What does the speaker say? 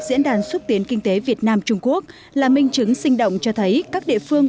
diễn đàn xúc tiến kinh tế việt nam trung quốc là minh chứng sinh động cho thấy các địa phương